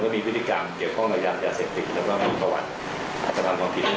ก็มีพฤติกรรมเกี่ยวข้องระยังแต่เศรษฐกิจแล้วก็มีประวัติอาจจะทำความผิดด้วยกันครับ